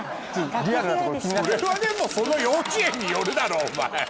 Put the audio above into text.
それはでもその幼稚園によるだろお前。